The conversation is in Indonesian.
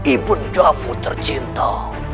ibu kamu tercinta